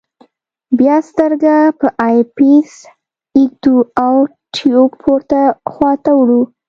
بیا سترګه په آی پیس ږدو او ټیوب پورته خواته وړو.